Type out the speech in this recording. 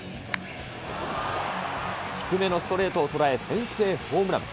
低めのストレートを捉え、先制ホームラン。